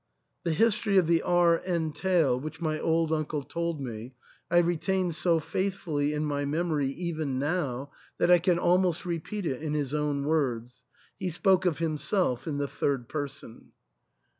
The history of the R entail, which my old uncle told me, I retain so faithfully in my memory even now that I can almost repeat it in his own words (he spoke of himself in the third person).